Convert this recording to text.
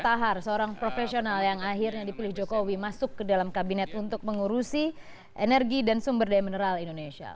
tahar seorang profesional yang akhirnya dipilih jokowi masuk ke dalam kabinet untuk mengurusi energi dan sumber daya mineral indonesia